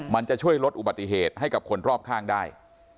มันจะช่วยลดอุบัติเหตุให้กับคนรอบข้างได้